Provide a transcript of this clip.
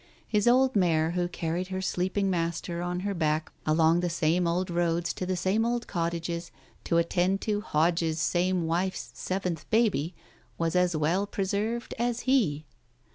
His old mare who carried her sleep ing master on her back along the same old roads to the same old cottages to attend to Hodge's same wife's seventh baby was as well preserved as he.